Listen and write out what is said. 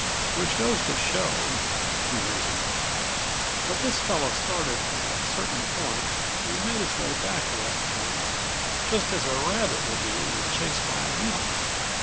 "Which goes to show," he reasoned, "that this fellow started from a certain point and made his way back to that point, just as a rabbit will do when chased by a hound.